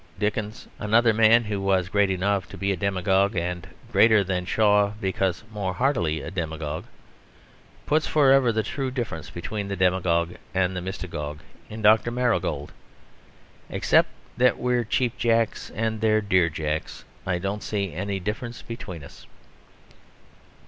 Dickens, another man who was great enough to be a demagogue (and greater than Shaw because more heartily a demagogue), puts for ever the true difference between the demagogue and the mystagogue in Dr. Marigold: "Except that we're cheap jacks and they're dear jacks, I don't see any difference between us."